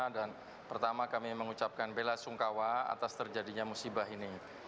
dan pertama kami mengucapkan bela sungkawa atas terjadinya musibah ini